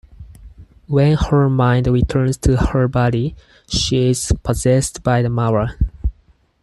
When her mind returns to her body, she is possessed by the Mara.